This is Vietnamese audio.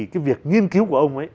cái việc nghiên cứu của ông ấy